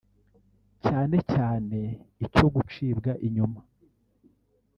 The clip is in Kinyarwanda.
cyane cyane icyo gucibwa inyuma